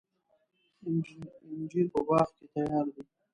انجیر په باغ کې تیار دی.